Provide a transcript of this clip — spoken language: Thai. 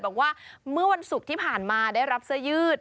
บอกว่าเมื่อวันศุกร์ที่ผ่านมาได้รับเสื้อยืด